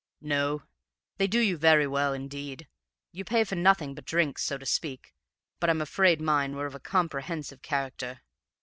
"... No, they do you very well, indeed. You pay for nothing but drinks, so to speak, but I'm afraid mine were of a comprehensive character.